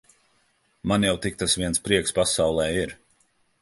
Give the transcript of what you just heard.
Man jau tik tas viens prieks pasaulē ir.